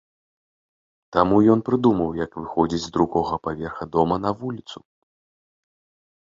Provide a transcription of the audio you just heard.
Таму ён прыдумаў, як выходзіць з другога паверха дома на вуліцу.